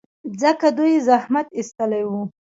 ځکه دوی زحمت ایستلی و.